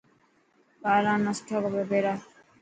ٻاڙان نا سٺا ڪپڙا پيرا.